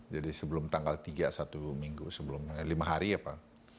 jadi sebelum tanggal tiga satu minggu sebelum ya lima hari ya pak